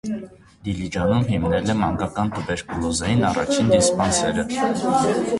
Դիլիջանում հիմնել է մանկական տուբերկուլոզային առաջին դիսպանսերը։